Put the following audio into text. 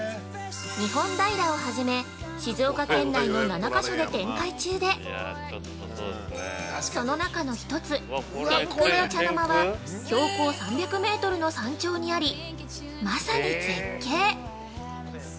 日本平を初め、静岡県内の７か所で展開中でその中の１つ「天空の茶の間」は標高３００メートルの山頂にありまさに絶景。